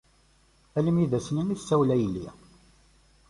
Armi d ass-nni i as-tessawel a yelli.